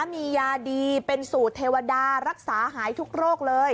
มียาดีเป็นสูตรเทวดารักษาหายทุกโรคเลย